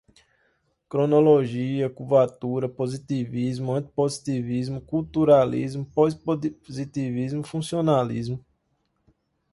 cronologia, curvatura, positivismo, antipositivismo, culturalismo, pós-positivismo, funcionalismo